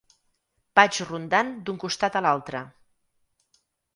Vaig rondant d'un costat a l'altre.